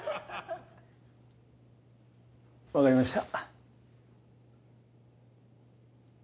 分かりました。